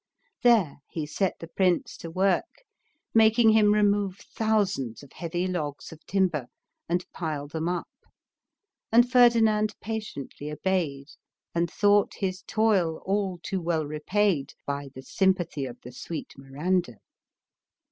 There he set the prince to work, mak ing him remove thousands of heavy logs of timber and pile them up; and Ferdinand patiently obeyed, and thought his toil all too well repaid by the sympathy of the sweet Miranda.